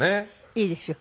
いいですよ。